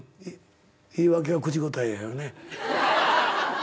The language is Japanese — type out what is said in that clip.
言い訳は口答えやよね。